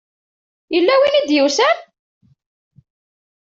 Yella win i d-yusan?